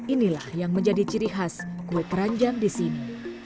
inilah yang menjadi ciri khas kue keranjang di sini